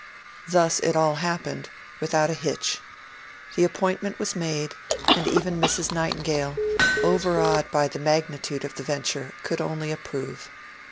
Thus it all happened, without a hitch. The appointment was made and even Mrs. Nightingale, overawed by the magnitude of the venture, could only approve.